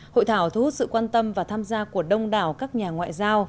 hội thảo thu hút sự quan tâm và tham gia của đông đảo các nhà ngoại giao